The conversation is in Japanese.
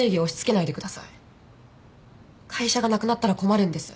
会社がなくなったら困るんです。